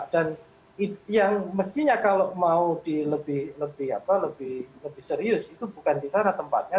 dan yang mestinya kalau mau lebih serius itu bukan di sana tempatnya